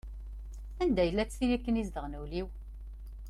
Anda-llatt tin akken i izedɣen ul-iw?